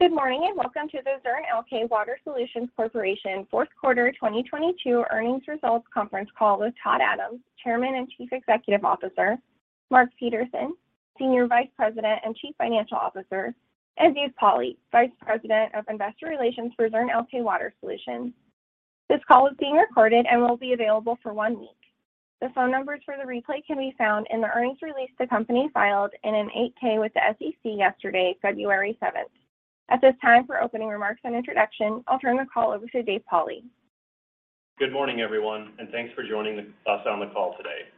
Good morning, and welcome to the Zurn Elkay Water Solutions Corporation fourth quarter 2022 earnings results conference call with Todd Adams, Chairman and Chief Executive Officer, Mark Peterson, Senior Vice President and Chief Financial Officer, and Dave Pauli, Vice President of Investor Relations for Zurn Elkay Water Solutions. This call is being recorded and will be available for one week. The phone numbers for the replay can be found in the earnings release the company filed in an 8-K with the SEC yesterday, February 7th. At this time, for opening remarks and introduction, I'll turn the call over to Dave Pauli. Good morning, everyone, and thanks for joining us on the call today.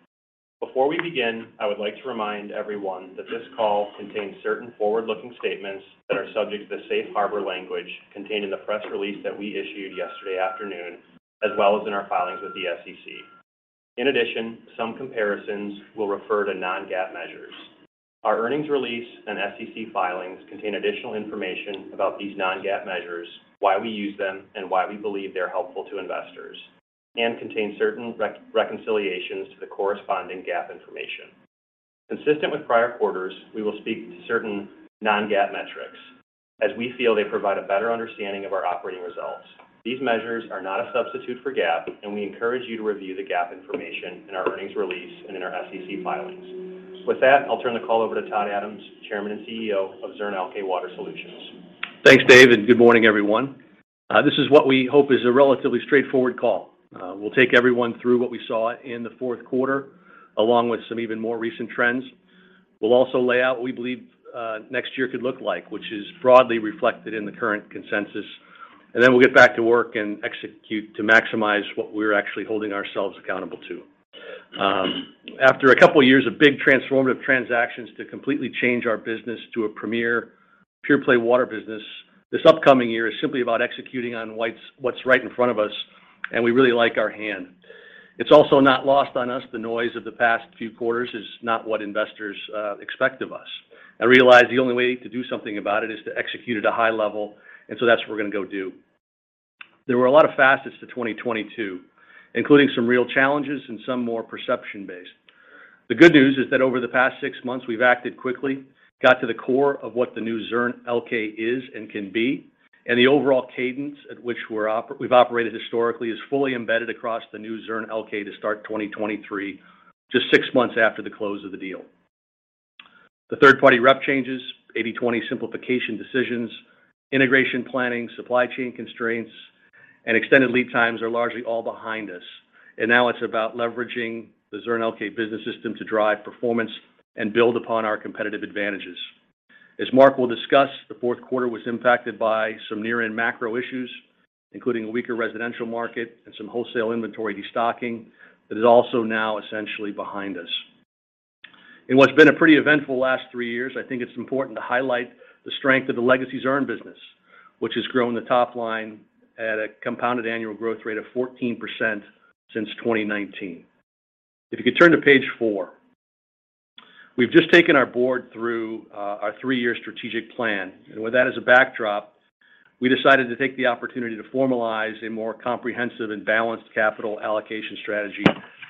Before we begin, I would like to remind everyone that this call contains certain forward-looking statements that are subject to the safe harbor language contained in the press release that we issued yesterday afternoon, as well as in our filings with the SEC. In addition, some comparisons will refer to non-GAAP measures. Our earnings release and SEC filings contain additional information about these non-GAAP measures, why we use them, and why we believe they're helpful to investors, and contain certain reconciliations to the corresponding GAAP information. Consistent with prior quarters, we will speak to certain non-GAAP metrics as we feel they provide a better understanding of our operating results. These measures are not a substitute for GAAP, and we encourage you to review the GAAP information in our earnings release and in our SEC filings. With that, I'll turn the call over to Todd Adams, Chairman and CEO of Zurn Elkay Water Solutions. Thanks, Dave. Good morning, everyone. This is what we hope is a relatively straightforward call. We'll take everyone through what we saw in the fourth quarter, along with some even more recent trends. We'll also lay out what we believe next year could look like, which is broadly reflected in the current consensus. Then we'll get back to work and execute to maximize what we're actually holding ourselves accountable to. After a couple of years of big transformative transactions to completely change our business to a premier pure-play water business, this upcoming year is simply about executing on what's right in front of us. We really like our hand. It's also not lost on us, the noise of the past few quarters is not what investors expect of us, and realize the only way to do something about it is to execute at a high level, and so that's what we're going to go do. There were a lot of facets to 2022, including some real challenges and some more perception-based. The good news is that over the past six months, we've acted quickly, got to the core of what the new Zurn Elkay is and can be, and the overall cadence at which we've operated historically is fully embedded across the new Zurn Elkay to start 2023, just six months after the close of the deal. The third-party rep changes, 80/20 simplification decisions, integration planning, supply chain constraints, and extended lead times are largely all behind us. Now it's about leveraging the Zurn Elkay Business System to drive performance and build upon our competitive advantages. As Mark will discuss, the fourth quarter was impacted by some near-end macro issues, including a weaker residential market and some wholesale inventory destocking that is also now essentially behind us. In what's been a pretty eventful last three years, I think it's important to highlight the strength of the legacy Zurn business, which has grown the top line at a compounded annual growth rate of 14% since 2019. If you could turn to page four. We've just taken our board through our three-year strategic plan. With that as a backdrop, we decided to take the opportunity to formalize a more comprehensive and balanced capital allocation strategy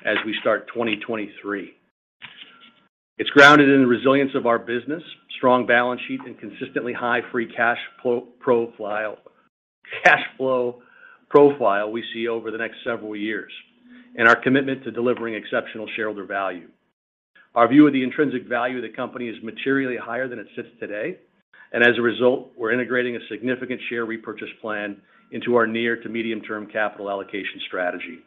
as we start 2023. It's grounded in the resilience of our business, strong balance sheet, and consistently high free cash flow profile we see over the next several years, and our commitment to delivering exceptional shareholder value. Our view of the intrinsic value of the company is materially higher than it sits today, and as a result, we're integrating a significant share repurchase plan into our near to medium-term capital allocation strategy.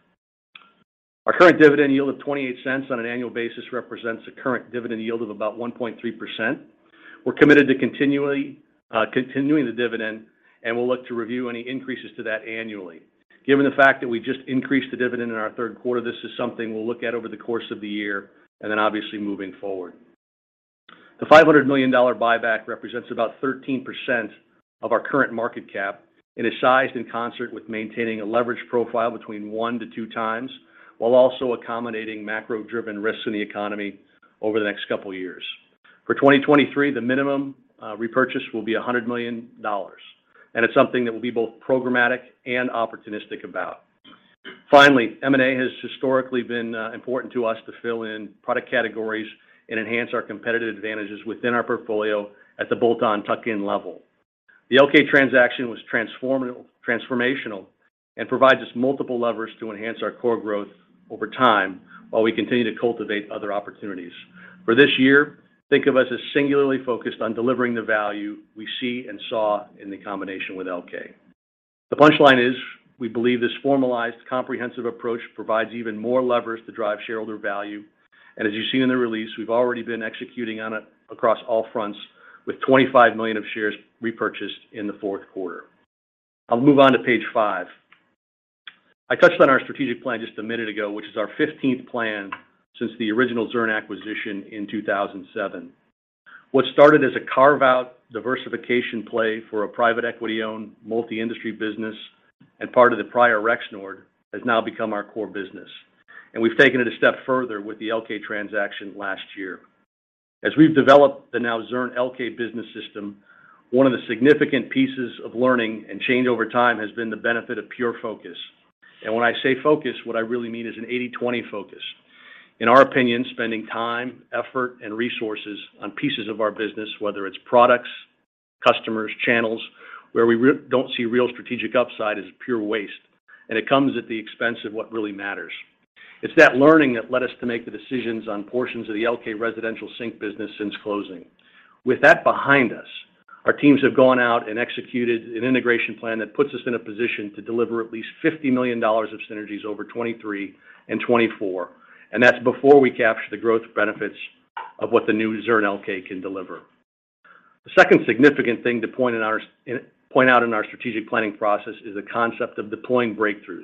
Our current dividend yield of $0.28 on an annual basis represents a current dividend yield of about 1.3%. We're committed to continually continuing the dividend, and we'll look to review any increases to that annually. Given the fact that we just increased the dividend in our third quarter, this is something we'll look at over the course of the year and then obviously moving forward. The $500 million buyback represents about 13% of our current market cap and is sized in concert with maintaining a leverage profile between 1x-2x, while also accommodating macro-driven risks in the economy over the next couple of years. For 2023, the minimum repurchase will be $100 million, and it's something that we'll be both programmatic and opportunistic about. M&A has historically been important to us to fill in product categories and enhance our competitive advantages within our portfolio at the bolt-on tuck-in level. The Elkay transaction was transformational and provides us multiple levers to enhance our core growth over time while we continue to cultivate other opportunities. For this year, think of us as singularly focused on delivering the value we see and saw in the combination with Elkay. The punchline is we believe this formalized, comprehensive approach provides even more leverage to drive shareholder value. As you see in the release, we've already been executing on it across all fronts with $25 million of shares repurchased in the fourth quarter. I'll move on to page five. I touched on our strategic plan just a minute ago, which is our 15th plan since the original Zurn acquisition in 2007. What started as a carve-out diversification play for a private equity-owned multi-industry business and part of the prior Rexnord has now become our core business. We've taken it a step further with the Elkay transaction last year. As we've developed the now Zurn Elkay Business System, one of the significant pieces of learning and change over time has been the benefit of pure focus. When I say focus, what I really mean is an eighty/twenty focus. In our opinion, spending time, effort, and resources on pieces of our business, whether it's products, customers, channels, where we don't see real strategic upside is pure waste, and it comes at the expense of what really matters. It's that learning that led us to make the decisions on portions of the Elkay residential sink business since closing. With that behind us, our teams have gone out and executed an integration plan that puts us in a position to deliver at least $50 million of synergies over 2023 and 2024, and that's before we capture the growth benefits of what the new Zurn Elkay can deliver. The second significant thing to point out in our strategic planning process is the concept of deploying breakthroughs.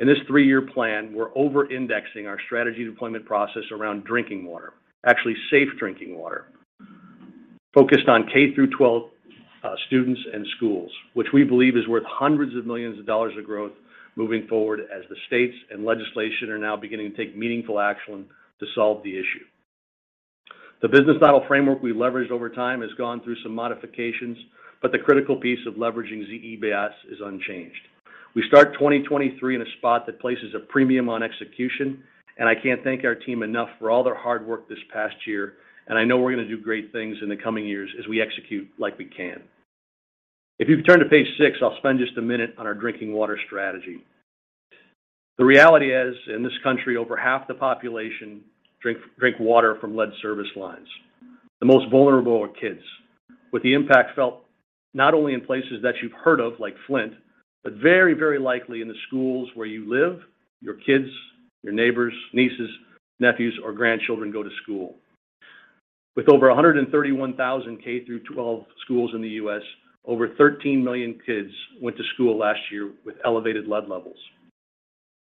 In this three-year plan, we're over-indexing our strategy deployment process around drinking water, actually safe drinking water, focused on K-12 students and schools, which we believe is worth hundreds of millions of dollars of growth moving forward as the states and legislation are now beginning to take meaningful action to solve the issue. The business model framework we leveraged over time has gone through some modifications, but the critical piece of leveraging ZEBS is unchanged. We start 2023 in a spot that places a premium on execution, I can't thank our team enough for all their hard work this past year, and I know we're gonna do great things in the coming years as we execute like we can. If you turn to page six, I'll spend just a minute on our drinking water strategy. The reality is, in this country, over half the population drink water from lead service lines. The most vulnerable are kids, with the impact felt not only in places that you've heard of, like Flint, but very, very likely in the schools where you live, your kids, your neighbors, nieces, nephews, or grandchildren go to school. With over 131,000 K-12 schools in the U.S., over 13 million kids went to school last year with elevated lead levels.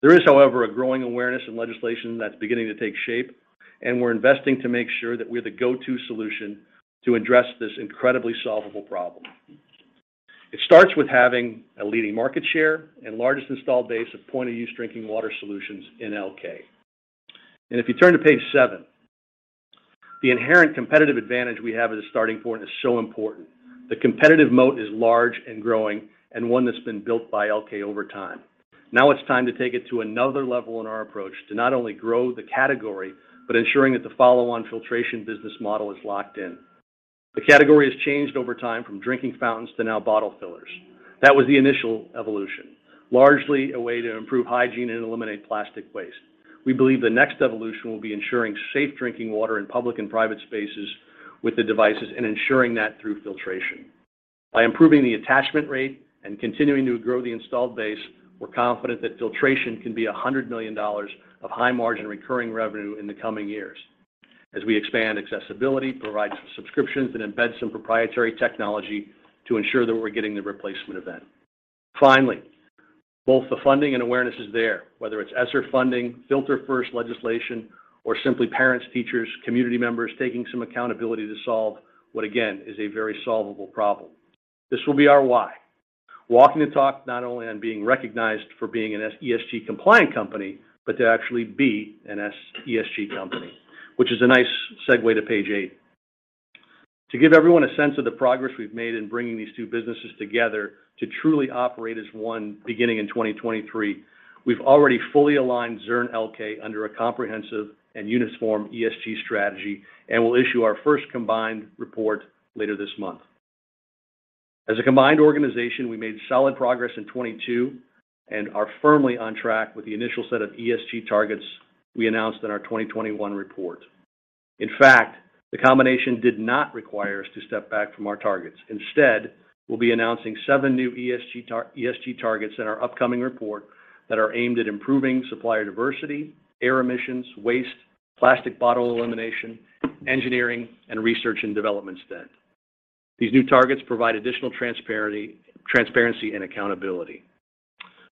There is, however, a growing awareness and legislation that's beginning to take shape, and we're investing to make sure that we're the go-to solution to address this incredibly solvable problem. It starts with having a leading market share and largest installed base of point of use drinking water solutions in Elkay. If you turn to page seven, the inherent competitive advantage we have as a starting point is so important. The competitive moat is large and growing, and one that's been built by Elkay over time. Now it's time to take it to another level in our approach to not only grow the category, but ensuring that the follow-on filtration business model is locked in. The category has changed over time from drinking fountains to now bottle fillers. That was the initial evolution, largely a way to improve hygiene and eliminate plastic waste. We believe the next evolution will be ensuring safe drinking water in public and private spaces with the devices and ensuring that through filtration. By improving the attachment rate and continuing to grow the installed base, we're confident that filtration can be $100 million of high margin recurring revenue in the coming years as we expand accessibility, provide some subscriptions, and embed some proprietary technology to ensure that we're getting the replacement event. Both the funding and awareness is there, whether it's ESSER funding, Filter First legislation, or simply parents, teachers, community members taking some accountability to solve what, again, is a very solvable problem. This will be our why. Walking the talk not only on being recognized for being an ESG compliant company, but to actually be an ESG company, which is a nice segue to page eight. To give everyone a sense of the progress we've made in bringing these two businesses together to truly operate as one beginning in 2023, we've already fully aligned Zurn Elkay under a comprehensive and uniform ESG strategy and will issue our first combined report later this month. As a combined organization, we made solid progress in 2022 and are firmly on track with the initial set of ESG targets we announced in our 2021 report. In fact, the combination did not require us to step back from our targets. Instead, we'll be announcing seven new ESG targets in our upcoming report that are aimed at improving supplier diversity, air emissions, waste, plastic bottle elimination, engineering, and research and development spend. These new targets provide additional transparency and accountability.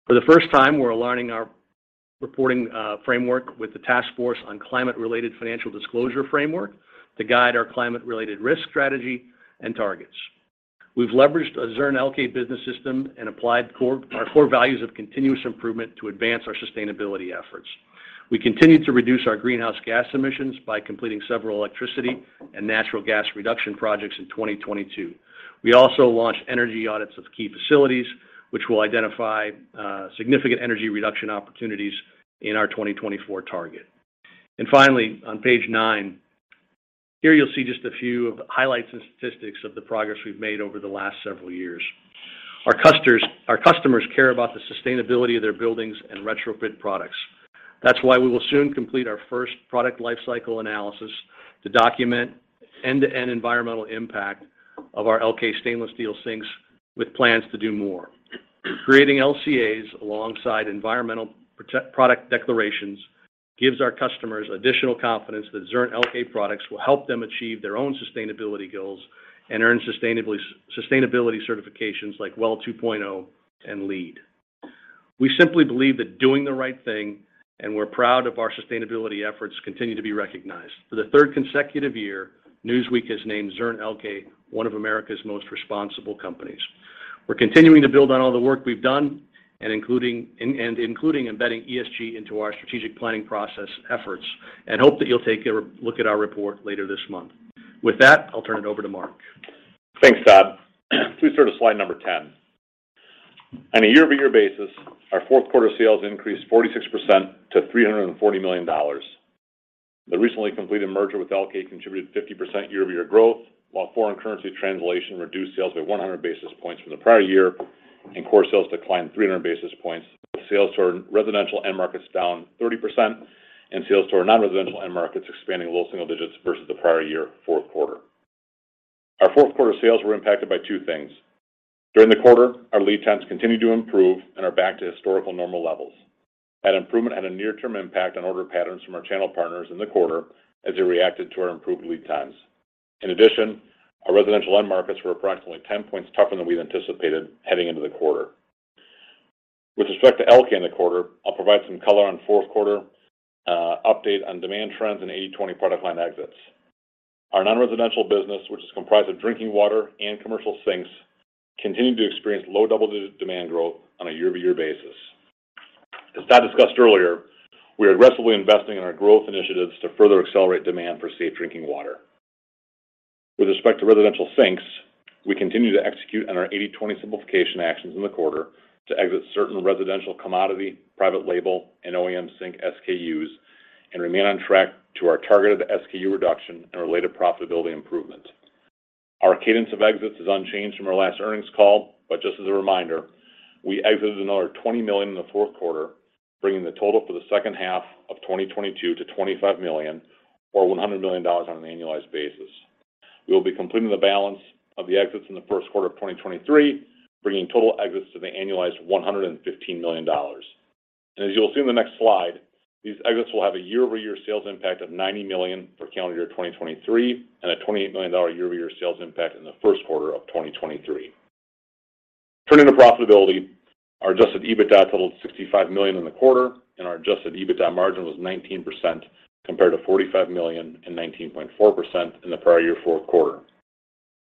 For the first time, we're aligning our reporting framework with the Task Force on Climate-related Financial Disclosures Framework to guide our climate-related risk strategy and targets. We've leveraged a Zurn Elkay Business System and applied our core values of continuous improvement to advance our sustainability efforts. We continued to reduce our greenhouse gas emissions by completing several electricity and natural gas reduction projects in 2022. We also launched energy audits of key facilities, which will identify significant energy reduction opportunities in our 2024 target. Finally, on page nine, here you'll see just a few of the highlights and statistics of the progress we've made over the last several years. Our customers care about the sustainability of their buildings and retrofit products. That's why we will soon complete our first product life cycle analysis to document end-to-end environmental impact of our Elkay stainless steel sinks with plans to do more. Creating LCAs alongside Environmental Product Declarations gives our customers additional confidence that Zurn Elkay products will help them achieve their own sustainability goals and earn sustainability certifications like WELL v2 and LEED. We simply believe that doing the right thing, and we're proud of our sustainability efforts, continue to be recognized. For the third consecutive year, Newsweek has named Zurn Elkay one of America's Most Responsible Companies. We're continuing to build on all the work we've done, and including embedding ESG into our strategic planning process efforts and hope that you'll take a look at our report later this month. With that, I'll turn it over to Mark. Thanks, Todd. Please turn to slide number 10. On a year-over-year basis, our fourth quarter sales increased 46% to $340 million. The recently completed merger with Elkay contributed 50% year-over-year growth, while foreign currency translation reduced sales by 100 basis points from the prior year and core sales declined 300 basis points. Sales to our residential end markets down 30% and sales to our non-residential end markets expanding low single digits versus the prior year fourth quarter. Our fourth quarter sales were impacted by two things. During the quarter, our lead times continued to improve and are back to historical normal levels. That improvement had a near-term impact on order patterns from our channel partners in the quarter as they reacted to our improved lead times. In addition, our residential end markets were approximately 10 points tougher than we've anticipated heading into the quarter. With respect to Elkay in the quarter, I'll provide some color on fourth quarter update on demand trends and 80/20 product line exits. Our non-residential business, which is comprised of drinking water and commercial sinks, continued to experience low double-digit demand growth on a year-over-year basis. As Todd discussed earlier, we are aggressively investing in our growth initiatives to further accelerate demand for safe drinking water. With respect to residential sinks, we continue to execute on our 80/20 simplification actions in the quarter to exit certain residential commodity, private label, and OEM sink SKUs, and remain on track to our targeted SKU reduction and related profitability improvement. Our cadence of exits is unchanged from our last earnings call. Just as a reminder, we exited another $20 million in the fourth quarter, bringing the total for the second half of 2022 to $25 million or $100 million on an annualized basis. We will be completing the balance of the exits in the first quarter of 2023, bringing total exits to the annualized $115 million. As you'll see in the next slide, these exits will have a year-over-year sales impact of $90 million for calendar year 2023, and a $28 million year-over-year sales impact in the first quarter of 2023. Turning to profitability, our adjusted EBITDA totaled $65 million in the quarter, and our adjusted EBITDA margin was 19% compared to $45 million and 19.4% in the prior year fourth quarter.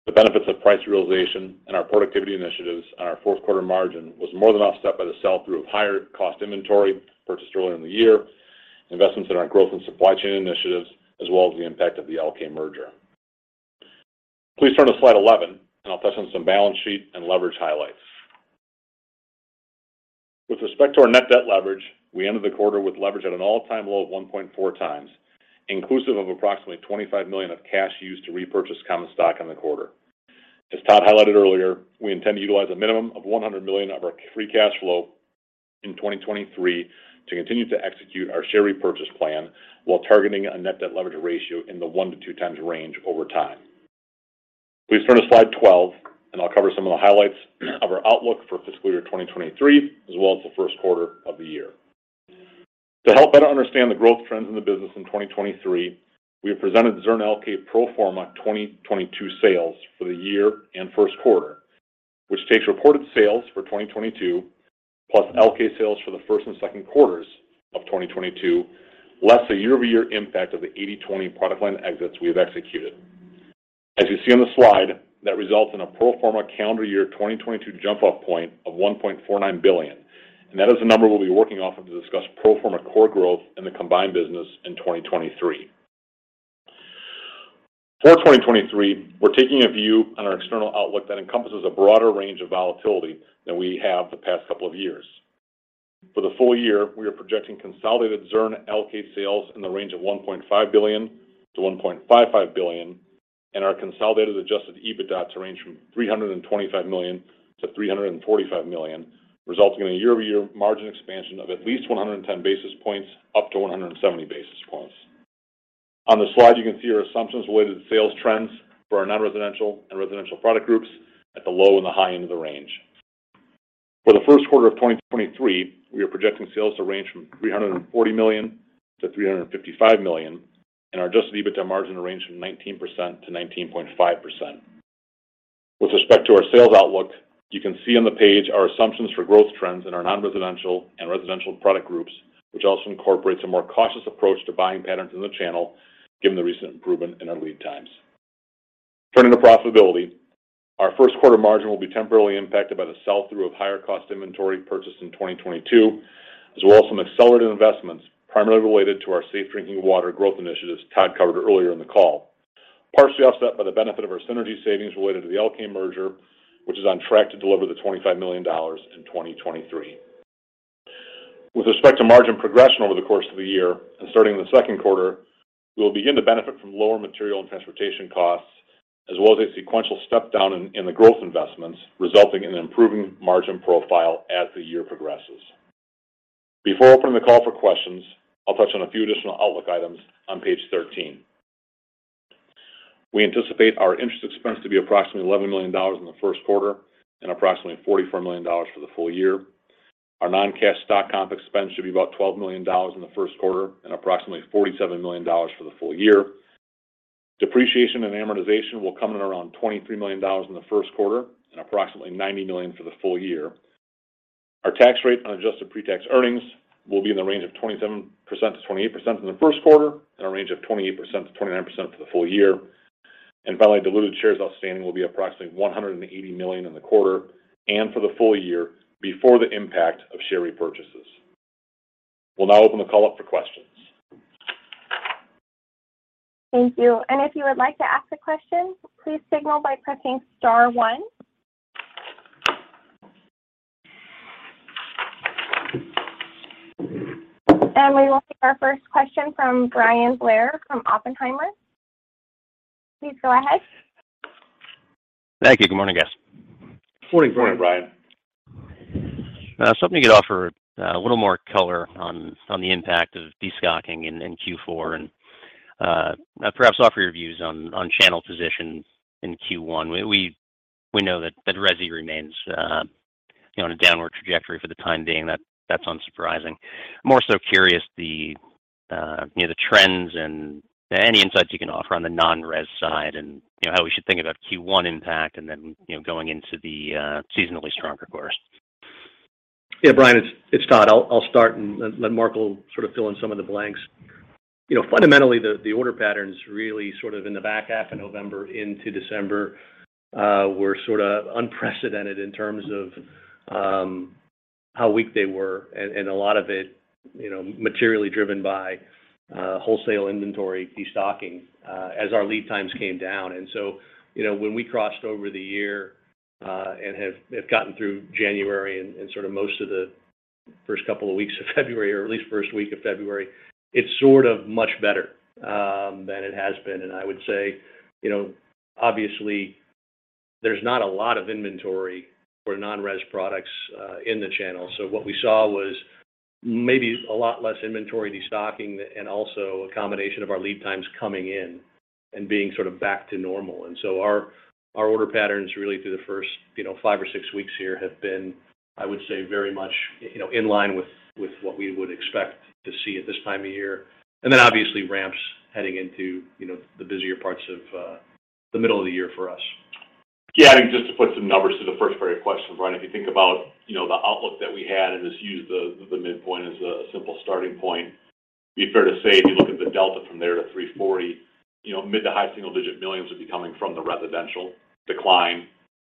The benefits of price realization and our productivity initiatives on our fourth quarter margin was more than offset by the sell-through of higher cost inventory purchased earlier in the year, investments in our growth and supply chain initiatives, as well as the impact of the Elkay merger. Please turn to slide 11, and I'll touch on some balance sheet and leverage highlights. With respect to our net debt leverage, we ended the quarter with leverage at an all-time low of 1.4x, inclusive of approximately $25 million of cash used to repurchase common stock in the quarter. As Todd highlighted earlier, we intend to utilize a minimum of $100 million of our free cash flow in 2023 to continue to execute our share repurchase plan while targeting a net debt leverage ratio in the 1x-2x range over time. Please turn to slide 12. I'll cover some of the highlights of our outlook for fiscal year 2023, as well as the first quarter of the year. To help better understand the growth trends in the business in 2023, we have presented Zurn Elkay pro forma 2022 sales for the year and first quarter, which takes reported sales for 2022 plus Elkay sales for the first and second quarters of 2022, less a year-over-year impact of the 80/20 product line exits we have executed. As you see on the slide, that results in a pro forma calendar year 2022 jump off point of $1.49 billion. That is the number we'll be working off of to discuss pro forma core growth in the combined business in 2023. For 2023, we're taking a view on our external outlook that encompasses a broader range of volatility than we have the past couple of years. For the full year, we are projecting consolidated Zurn Elkay sales in the range of $1.5 billion-$1.55 billion, and our consolidated adjusted EBITDA to range from $325 million-$345 million, resulting in a year-over-year margin expansion of at least 110 basis points up to 170 basis points. On the slide, you can see our assumptions related to sales trends for our non-residential and residential product groups at the low and the high end of the range. For the first quarter of 2023, we are projecting sales to range from $340 million-$355 million, and our adjusted EBITDA margin to range from 19%-19.5%. With respect to our sales outlook, you can see on the page our assumptions for growth trends in our non-residential and residential product groups, which also incorporates a more cautious approach to buying patterns in the channel given the recent improvement in our lead times. Turning to profitability, our first quarter margin will be temporarily impacted by the sell-through of higher cost inventory purchased in 2022, as well as some accelerated investments, primarily related to our safe drinking water growth initiatives Todd covered earlier in the call. Partially offset by the benefit of our synergy savings related to the Elkay merger, which is on track to deliver the $25 million in 2023. With respect to margin progression over the course of the year and starting in the second quarter, we will begin to benefit from lower material and transportation costs as well as a sequential step down in the growth investments, resulting in an improving margin profile as the year progresses. Before opening the call for questions, I'll touch on a few additional outlook items on page 13. We anticipate our interest expense to be approximately $11 million in the first quarter and approximately $44 million for the full year. Our non-cash stock comp expense should be about $12 million in the first quarter and approximately $47 million for the full year. Depreciation and amortization will come in around $23 million in the first quarter and approximately $90 million for the full year. Our tax rate on adjusted pre-tax earnings will be in the range of 27%-28% in the first quarter and a range of 28%-29% for the full year. Finally, diluted shares outstanding will be approximately 180 million in the quarter and for the full year before the impact of share repurchases. We'll now open the call up for questions. Thank you. If you would like to ask a question, please signal by pressing star one. We will take our first question from Bryan Blair from Oppenheimer. Please go ahead. Thank you. Good morning, guys. Morning, Bryan. Something you could offer a little more color on the impact of destocking in Q4 and perhaps offer your views on channel position in Q1. We know that resi remains, you know, on a downward trajectory for the time being. That's unsurprising. More so curious the, you know, the trends and any insights you can offer on the non-res side and, you know, how we should think about Q1 impact and then, you know, going into the seasonally stronger course. Yeah, Bryan, it's Todd. I'll start and let Mark will sort of fill in some of the blanks. You know, fundamentally, the order patterns really sort of in the back half of November into December were sort of unprecedented in terms of how weak they were, and a lot of it, you know, materially driven by wholesale inventory destocking as our lead times came down. When we crossed over the year and have gotten through January and sort of most of the first couple of weeks of February, or at least first week of February, it's sort of much better than it has been. I would say, you know, obviously there's not a lot of inventory for non-res products in the channel. What we saw was maybe a lot less inventory destocking and also a combination of our lead times coming in and being sort of back to normal. Our order patterns really through the first, you know, five or six weeks here have been, I would say, very much, you know, in line with what we would expect to see at this time of year. Then obviously ramps heading into, you know, the busier parts of the middle of the year for us. Yeah. I think just to put some numbers to the first part of your question, Bryan, if you think about, you know, the outlook that we had, and just use the midpoint as a simple starting point, it'd be fair to say if you look at the delta from there to $340, you know, mid to high single digit $ millions would be coming from the residential decline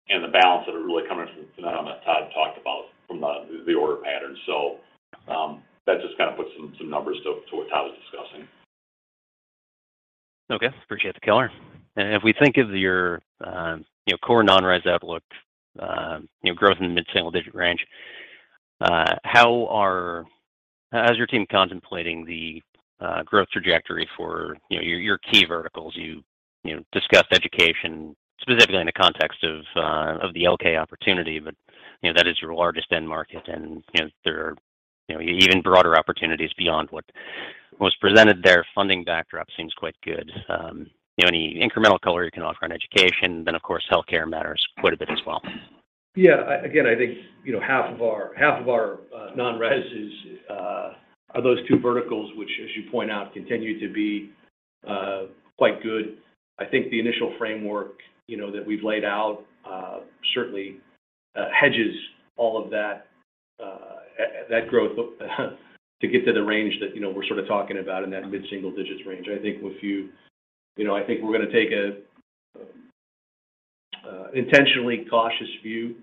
and the balance that are really coming from the dynamic Todd talked about from the order pattern. That just kind of puts some numbers to what Todd was discussing. Okay. Appreciate the color. If we think of your, you know, core non-res outlook, you know, growth in the mid-single-digit range, how is your team contemplating the growth trajectory for, you know, your key verticals? You, you know, discussed education specifically in the context of the Elkay opportunity, but, you know, that is your largest end market and, you know, there are, you know, even broader opportunities beyond what was presented there. Funding backdrop seems quite good. You know, any incremental color you can offer on education, then of course healthcare matters quite a bit as well. Yeah. again, I think, you know, half of our non-res is, are those two verticals, which as you point out, continue to be quite good. I think the initial framework, you know, that we've laid out, certainly hedges all of that that growth to get to the range that, you know, we're sort of talking about in that mid-single digits range. You know, I think we're gonna take a intentionally cautious view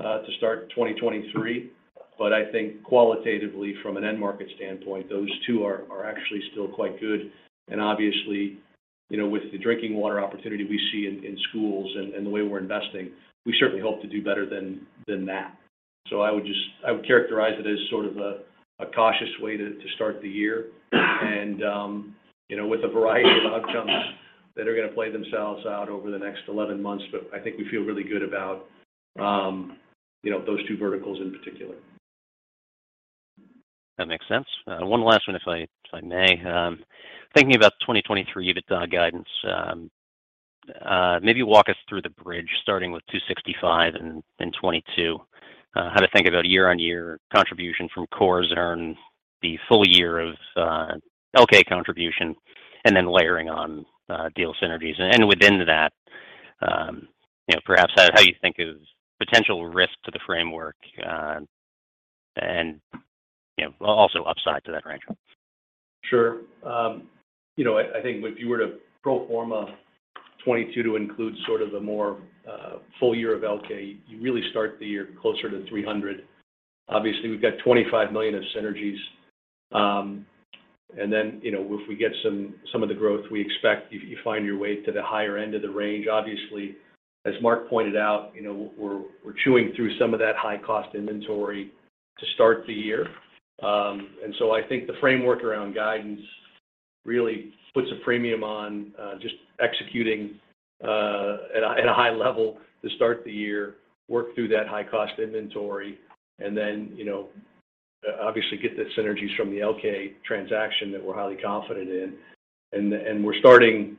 to start 2023, but I think qualitatively from an end market standpoint, those two are actually still quite good. Obviously, you know, with the drinking water opportunity we see in schools and the way we're investing, we certainly hope to do better than that. I would just. I would characterize it as sort of a cautious way to start the year and, you know, with a variety of outcomes that are gonna play themselves out over the next 11 months, but I think we feel really good about, you know, those two verticals in particular. That makes sense. One last one if I may. Thinking about the 2023 EBITDA guidance, maybe walk us through the bridge starting with $265 million in 2022. How to think about year-on-year contribution from cores, earn the full year of Elkay contribution, and then layering on deal synergies? Within that, you know, perhaps how you think of potential risk to the framework, and, you know, also upside to that range? Sure. you know, I think if you were to pro forma 2022 to include sort of a more full year of Elkay, you really start the year closer to $300. Obviously, we've got $25 million of synergies. you know, if we get some of the growth we expect, you find your way to the higher end of the range. Obviously, as Mark pointed out, you know, we're chewing through some of that high cost inventory to start the year. I think the framework around guidance really puts a premium on just executing at a high level to start the year, work through that high cost inventory, and then, you know, obviously get the synergies from the Elkay transaction that we're highly confident in. We're starting,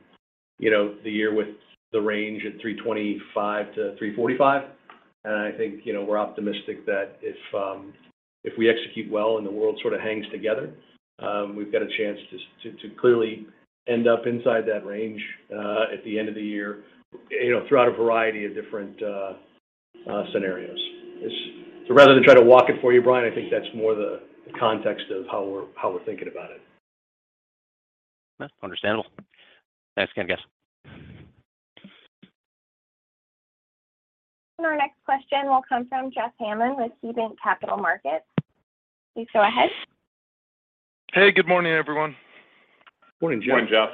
you know, the year with the range at $325-$345. I think, you know, we're optimistic that if we execute well and the world sort of hangs together, we've got a chance to clearly end up inside that range at the end of the year, you know, throughout a variety of different scenarios. Rather than try to walk it for you, Bryan, I think that's more the context of how we're thinking about it. That's understandable. Thanks again, guys. Next question will come from Jeff Hammond with KeyBanc Capital Markets. Please go ahead. Hey, good morning, everyone. Morning, Jeff. Morning, Jeff.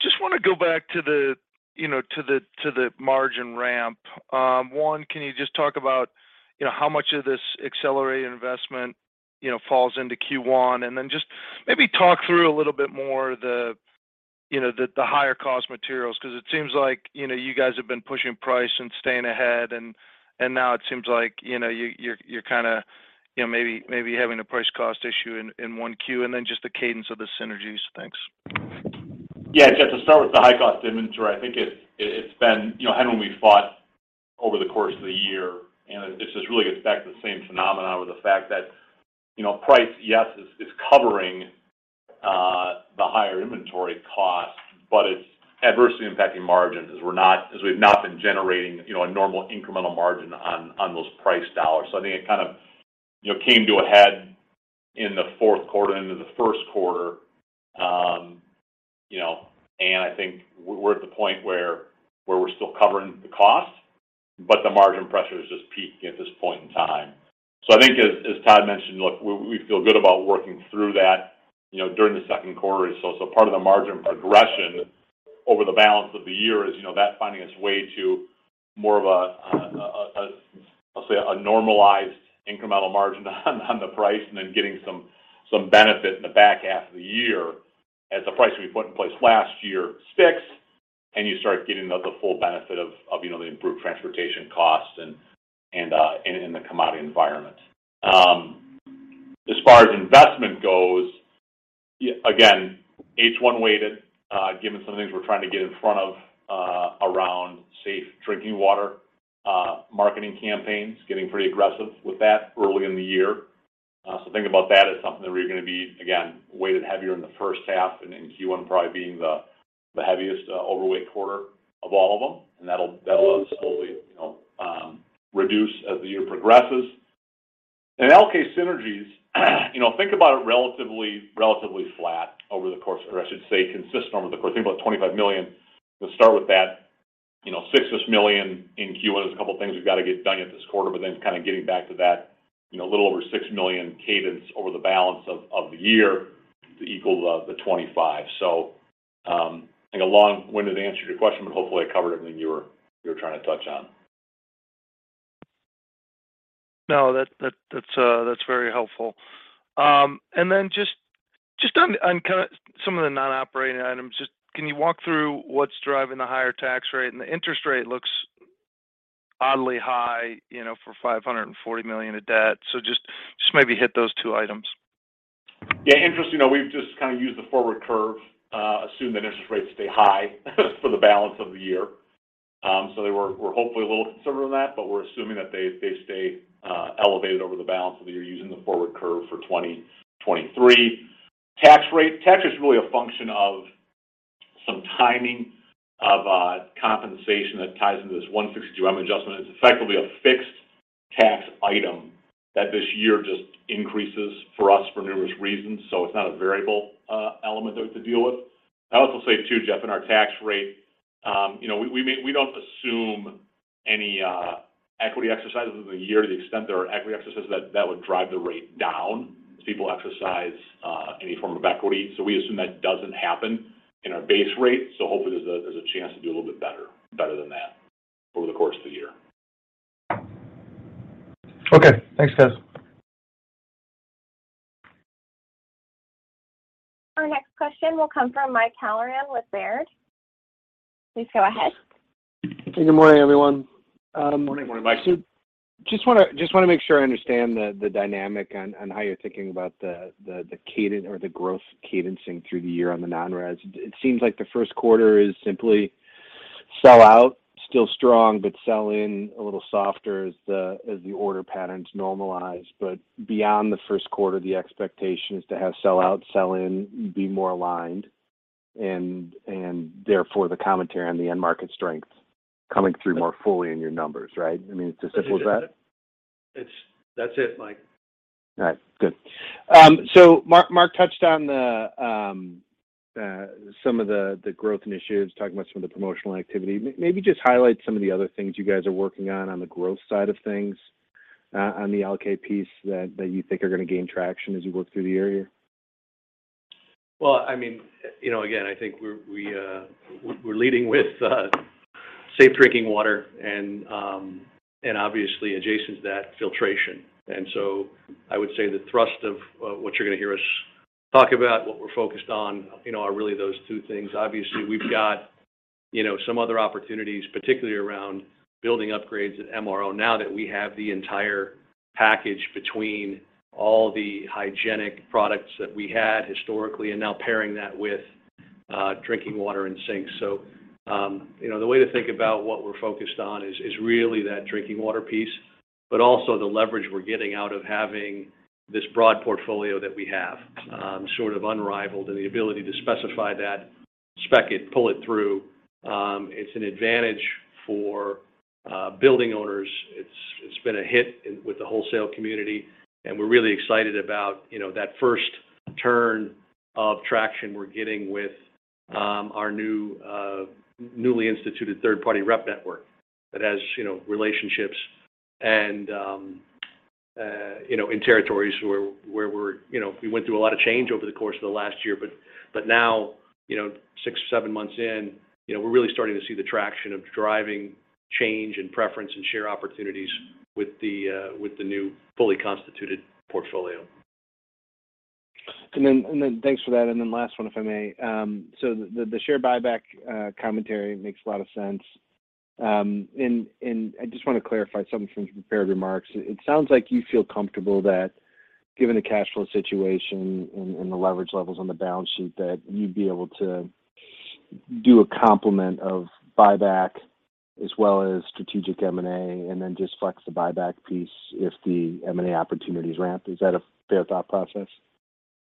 Just wanna go back to the, you know, to the margin ramp. One, can you just talk about, you know, how much of this accelerated investment, you know, falls into Q1? Then just maybe talk through a little bit more the, you know, the higher cost materials. 'Cause it seems like, you know, you guys have been pushing price and staying ahead and now it seems like, you know, you're kinda, you know, maybe having a price cost issue in Q1. Then just the cadence of the synergies. Thanks. Jeff, to start with the high cost inventory, I think it's been... You know, when we fought over the course of the year, and it just really gets back to the same phenomenon with the fact that, you know, price, yes, is covering the higher inventory cost, but it's adversely impacting margins as we've not been generating, you know, a normal incremental margin on those price dollars. I think it kind of, you know, came to a head in the fourth quarter and into the first quarter, you know. I think we're at the point where we're still covering the cost, but the margin pressure is just peaking at this point in time. I think as Todd mentioned, look, we feel good about working through that, you know, during the second quarter. Part of the margin progression over the balance of the year is, you know, that finding its way to more of a, let's say a normalized incremental margin on the price and then getting some benefit in the back half of the year as the price we put in place last year sticks, and you start getting the full benefit of, you know, the improved transportation costs and in the commodity environment. As far as investment goes, again, H1 weighted, given some things we're trying to get in front of, around safe drinking water, marketing campaigns, getting pretty aggressive with that early in the year. So think about that as something that we're gonna be, again, weighted heavier in the first half and in Q1 probably being the heaviest overweight quarter of all of them. That'll slowly, you know, reduce as the year progresses. Elkay synergies, you know, think about it relatively flat over the course or I should say consistent over the course. Think about $25 million. We'll start with that, you know, $6-ish million in Q1. There's a couple things we've got to get done yet this quarter, but then kind of getting back to that, you know, a little over $6 million cadence over the balance of the year to equal the $25 million. I think a long-winded answer to your question, but hopefully I covered everything you were trying to touch on. No, that's very helpful. Then just on kinda some of the non-operating items, can you walk through what's driving the higher tax rate? And the interest rate looks oddly high, you know, for $540 million of debt. Just maybe hit those two items. Interest, you know, we've just kinda used the forward curve, assume that interest rates stay high for the balance of the year. We're hopefully a little conservative on that, but we're assuming that they stay elevated over the balance of the year using the forward curve for 2023. Tax rate. Tax is really a function of some timing of a compensation that ties into this Section 162(m) adjustment. It's effectively a fixed tax item that this year just increases for us for numerous reasons. It's not a variable element that we have to deal with. I also say, too, Jeff, in our tax rate, you know, we don't assume any equity exercises of the year to the extent there are equity exercises that would drive the rate down as people exercise any form of equity. We assume that doesn't happen in our base rate. Hopefully there's a chance to do a little bit better than that over the course of the year. Okay. Thanks, guys. Our next question will come from Mike Halloran with Baird. Please go ahead. Good morning, everyone. Morning. Morning, Mike. Just wanna make sure I understand the dynamic on how you're thinking about the cadence or the growth cadencing through the year on the non-res. It seems like the first quarter is simply sell out, still strong, but sell in a little softer as the order patterns normalize. Beyond the first quarter, the expectation is to have sell out, sell in, be more aligned and therefore the commentary on the end market strength coming through more fully in your numbers, right? I mean, it's as simple as that. That's it, Mike. All right. Good. Mark touched on the growth initiatives, talking about some of the promotional activity. Maybe just highlight some of the other things you guys are working on the growth side of things, on the Elkay piece that you think are gonna gain traction as you work through the area. Well, I mean, you know, again, I think we're leading with safe drinking water and obviously adjacent to that, filtration. I would say the thrust of what you're gonna hear us talk about, what we're focused on, you know, are really those two things. Obviously, we've got, you know, some other opportunities, particularly around building upgrades at MRO now that we have the entire package between all the hygienic products that we had historically and now pairing that with drinking water and sinks. You know, the way to think about what we're focused on is really that drinking water piece, but also the leverage we're getting out of having this broad portfolio that we have, sort of unrivaled and the ability to specify that, spec it, pull it through. It's an advantage for building owners. It's been a hit with the wholesale community, and we're really excited about, you know, that first turn of traction we're getting. Our new, newly instituted third-party rep network that has, you know, relationships and, you know, in territories where we're, you know, we went through a lot of change over the course of the last year. Now, you know, six or seven months in, you know, we're really starting to see the traction of driving change and preference and share opportunities with the new fully constituted portfolio. Thanks for that. Last one, if I may. The share buyback commentary makes a lot of sense. I just wanna clarify something from your prepared remarks. It sounds like you feel comfortable that given the cash flow situation and the leverage levels on the balance sheet, that you'd be able to do a complement of buyback as well as strategic M&A, and then just flex the buyback piece if the M&A opportunities ramp. Is that a fair thought process?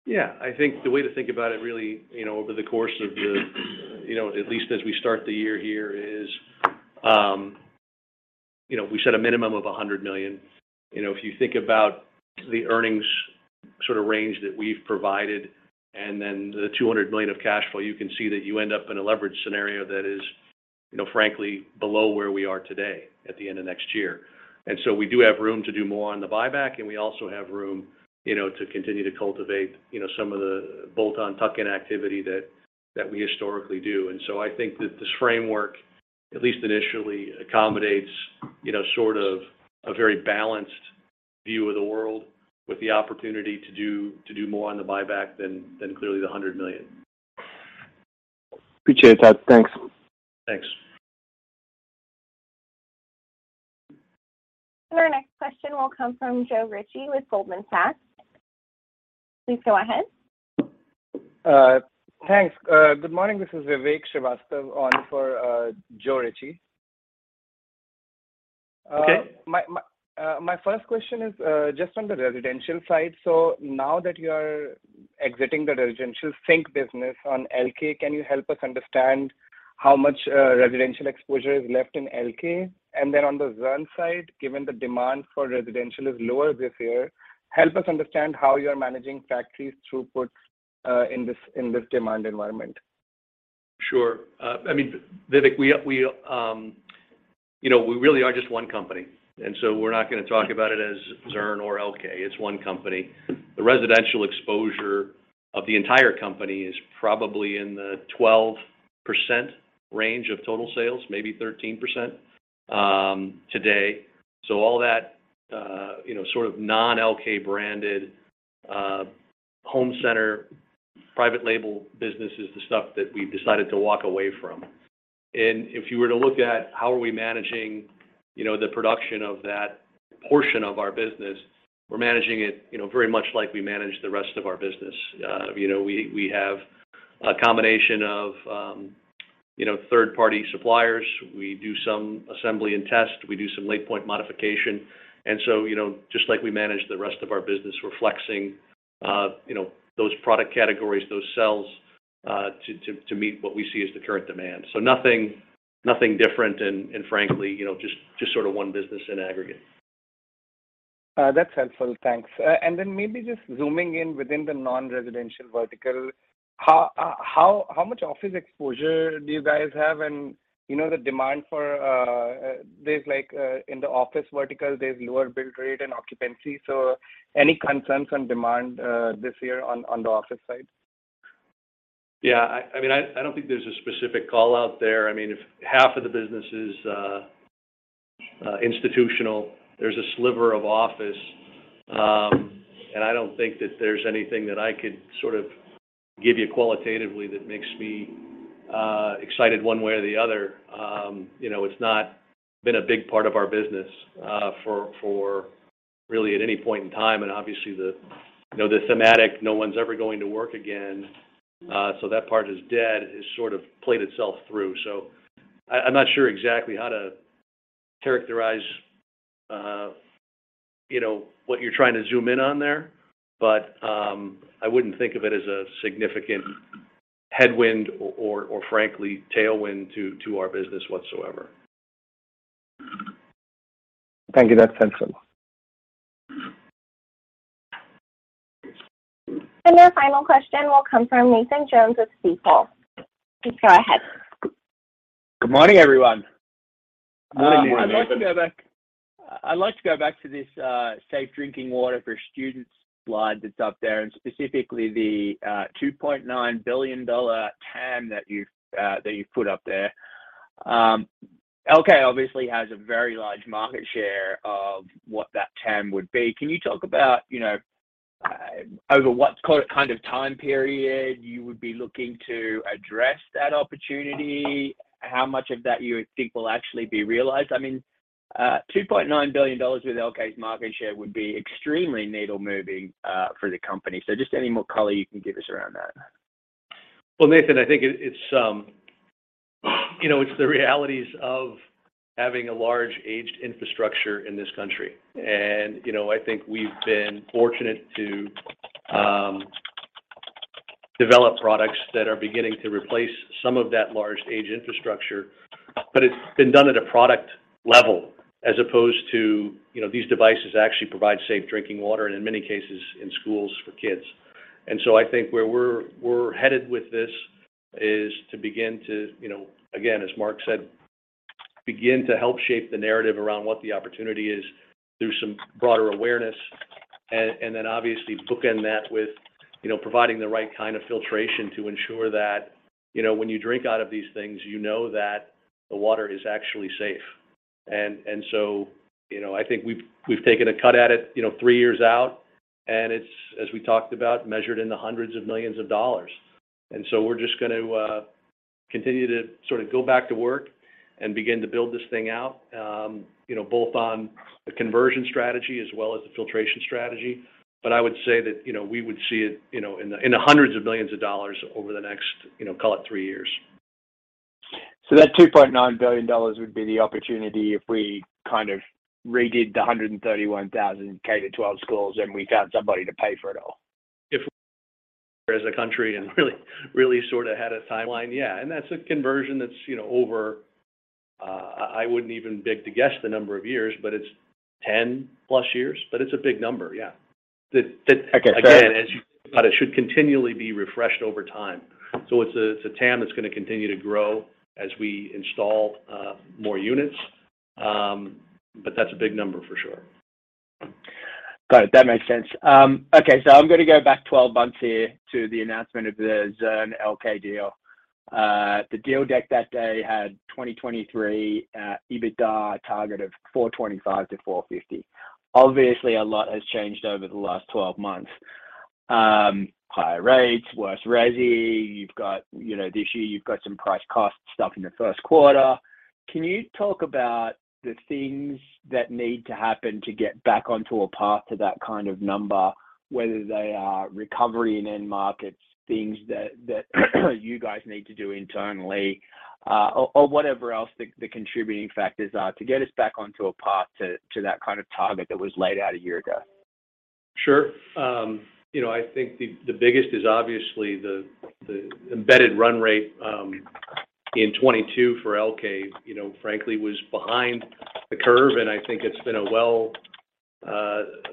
Yeah. I think the way to think about it really, you know, over the course of the... you know, at least as we start the year here is, you know, we set a minimum of $100 million. You know, if you think about the earnings sort of range that we've provided and then the $200 million of cash flow, you can see that you end up in a leverage scenario that is, you know, frankly below where we are today at the end of next year. We do have room to do more on the buyback, and we also have room, you know, to continue to cultivate, you know, some of the bolt-on tuck-in activity that we historically do. I think that this framework, at least initially, accommodates, you know, sort of a very balanced view of the world with the opportunity to do more on the buyback than clearly the $100 million. Appreciate it, Todd. Thanks. Thanks. Our next question will come from Joe Ritchie with Goldman Sachs. Please go ahead. Thanks. Good morning. This is Vivek Srivastava on for Joe Ritchie. Okay. My first question is just on the residential side. Now that you are exiting the residential sink business on Elkay, can you help us understand how much residential exposure is left in Elkay? On the Zurn side, given the demand for residential is lower this year, help us understand how you're managing factories throughput in this demand environment. Sure. I mean, Vivek, we, you know, we really are just one company. We're not gonna talk about it as Zurn or Elkay. It's one company. The residential exposure of the entire company is probably in the 12% range of total sales, maybe 13%, today. All that, you know, sort of non-Elkay branded, home center private label business is the stuff that we've decided to walk away from. If you were to look at how are we managing, you know, the production of that portion of our business, we're managing it, you know, very much like we manage the rest of our business. You know, we have a combination of, you know, third-party suppliers. We do some assembly and test. We do some late point modification. You know, just like we manage the rest of our business, we're flexing, you know, those product categories, those sells, to meet what we see as the current demand. Nothing different and frankly, you know, just sort of one business in aggregate. That's helpful. Thanks. Then maybe just zooming in within the non-residential vertical, how much office exposure do you guys have? You know, the demand for, there's like, in the office vertical, there's lower build rate and occupancy. Any concerns on demand this year on the office side? Yeah. I mean, I don't think there's a specific call out there. I mean, if half of the business is institutional, there's a sliver of office. I don't think that there's anything that I could sort of give you qualitatively that makes me excited one way or the other. You know, it's not been a big part of our business for really at any point in time. Obviously the, you know, the thematic, no one's ever going to work again, so that part is dead, has sort of played itself through. I'm not sure exactly how to characterize, you know, what you're trying to zoom in on there, but I wouldn't think of it as a significant headwind or frankly tailwind to our business whatsoever. Thank you. That's helpful. Our final question will come from Nathan Jones of Stifel. Please go ahead. Good morning, everyone. Good morning, Nathan. I'd like to go back to this safe drinking water for students slide that's up there, and specifically the $2.9 billion TAM that you've put up there. Elkay obviously has a very large market share of what that TAM would be. Can you talk about, you know, over what kind of time period you would be looking to address that opportunity? How much of that you think will actually be realized? I mean, $2.9 billion with Elkay's market share would be extremely needle moving for the company. Just any more color you can give us around that. Nathan, I think it's, you know, it's the realities of having a large aged infrastructure in this country. You know, I think we've been fortunate to develop products that are beginning to replace some of that large aged infrastructure. It's been done at a product level as opposed to, you know, these devices actually provide safe drinking water and in many cases in schools for kids. So I think where we're headed with this is to begin to, you know, again, as Mark said, begin to help shape the narrative around what the opportunity is through some broader awareness. Then obviously bookend that with, you know, providing the right kind of filtration to ensure that, you know, when you drink out of these things, you know that the water is actually safe. You know, I think we've taken a cut at it, you know, 3 years out, and it's, as we talked about, measured in the hundreds of millions of dollars. We're just gonna continue to sort of go back to work and begin to build this thing out, you know, both on the conversion strategy as well as the filtration strategy. I would say that, you know, we would see it, you know, in the, in the hundreds of millions of dollars over the next, you know, call it three years. That $2.9 billion would be the opportunity if we kind of redid the 131,000 K-12 schools, and we found somebody to pay for it all. If as a country and really sorta had a timeline, yeah. That's a conversion that's, you know, over, I wouldn't even beg to guess the number of years, but it's 10+ years. It's a big number, yeah. That. Okay. Sorry. Again, as you thought, it should continually be refreshed over time. It's a, it's a TAM that's gonna continue to grow as we install, more units. That's a big number for sure. Got it. That makes sense. Okay, I'm gonna go back 12 months here to the announcement of the Zurn Elkay deal. The deal deck that day had 2023 EBITDA target of $425 million-$450 million. Obviously, a lot has changed over the last 12 months. Higher rates, worse resi. You've got, you know, this year you've got some price cost stuff in the first quarter. Can you talk about the things that need to happen to get back onto a path to that kind of number, whether they are recovery in end markets, things that you guys need to do internally, or whatever else the contributing factors are to get us back onto a path to that kind of target that was laid out a year ago? Sure. you know, I think the biggest is obviously the embedded run rate, in 2022 for Elkay, you know, frankly, was behind the curve, and I think it's been a well,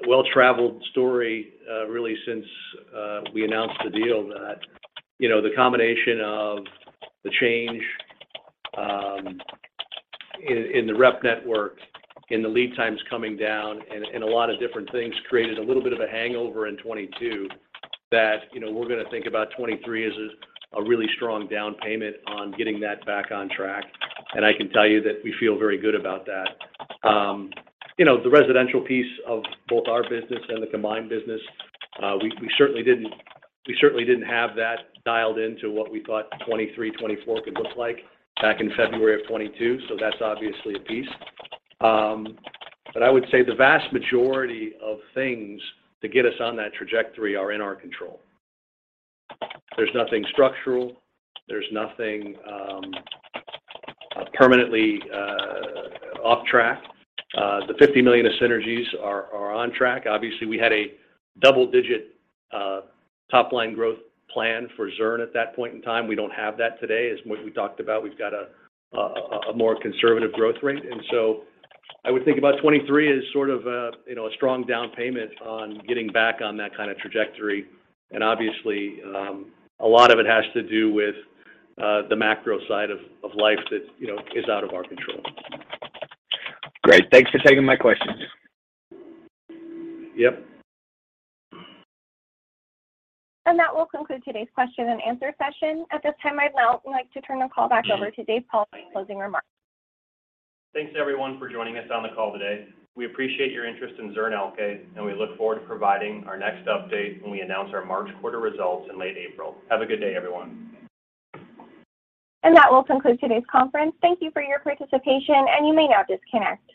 well-traveled story, really since, we announced the deal that, you know, the combination of the change, in the rep network and the lead times coming down and a lot of different things created a little bit of a hangover in 2022 that, you know, we're gonna think about 2023 as a really strong down payment on getting that back on track. I can tell you that we feel very good about that. You know, the residential piece of both our business and the combined business, we certainly didn't have that dialed into what we thought 2023, 2024 could look like back in February of 2022, so that's obviously a piece. I would say the vast majority of things to get us on that trajectory are in our control. There's nothing structural. There's nothing permanently off track. The $50 million of synergies are on track. Obviously, we had a double-digit top line growth plan for Zurn at that point in time. We don't have that today, as we talked about. We've got a more conservative growth rate. I would think about 2023 as sort of a, you know, a strong down payment on getting back on that kind of trajectory. obviously, a lot of it has to do with, the macro side of life that, you know, is out of our control. Great. Thanks for taking my questions. Yep. That will conclude today's question and answer session. At this time, I'd now like to turn the call back over to Dave Pauli for closing remarks. Thanks everyone for joining us on the call today. We appreciate your interest in Zurn Elkay. We look forward to providing our next update when we announce our March quarter results in late April. Have a good day, everyone. That will conclude today's conference. Thank you for your participation, and you may now disconnect.